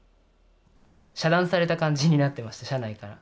遮断された感じになってました、社内から。